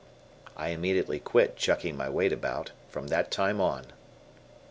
I immediately quit "chucking my weight about" from that time on.